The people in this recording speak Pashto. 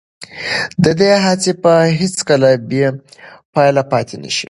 د ده هڅې به هیڅکله بې پایلې پاتې نه شي.